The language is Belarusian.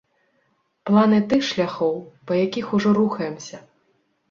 Планы тых шляхоў, па якіх ужо рухаемся.